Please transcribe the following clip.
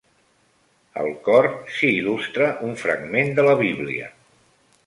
Al cor s'hi il·lustra un fragment de la Bíblia.